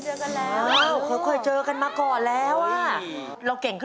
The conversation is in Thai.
จบไปแล้วแม่กะเร่อยกะหริบจริงเลยนะหูตาแพลวเลยลูกเอ๋ย